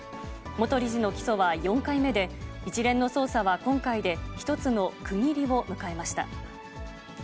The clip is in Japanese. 元理事の起訴は４回目で、一連の捜査は今回で一つの区切りを迎えました。